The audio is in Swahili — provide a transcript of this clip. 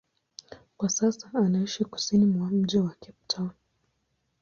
Kwa sasa anaishi kusini mwa mji wa Cape Town.